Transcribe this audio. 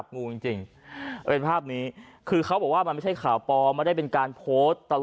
แบบมันไม่ได้เป็นการโพสต์